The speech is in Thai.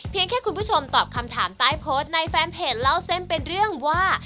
แค่คุณผู้ชมตอบคำถามใต้โพสต์ในแฟนเพจเล่าเส้นเป็นเรื่องว่า